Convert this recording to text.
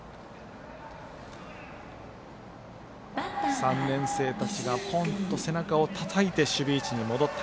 ３年生たちがポーンと背中をたたいて守備位置に戻った。